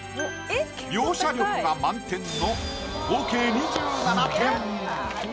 描写力が満点の合計２７点。